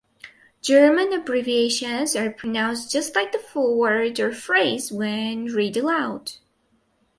German abbreviations are pronounced just like the full word or phrase when read aloud.